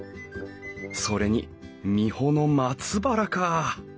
それに三保の松原かあ。